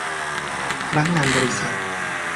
พนักงานบริษัท